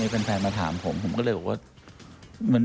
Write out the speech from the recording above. ไม่เป็นแฟนมาถามผมผมก็เลยบอกว่า